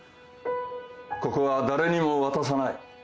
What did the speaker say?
ここは誰にも渡さない。